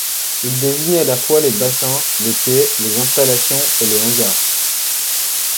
Il désigne à la fois les bassins, les quais, les installations et les hangars.